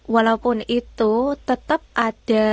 walaupun itu tetap ada